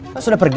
lu sudah pergi